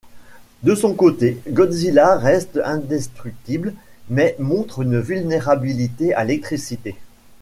De son côté, Godzilla reste indestructible mais montre une vulnérabilité à l'électricité.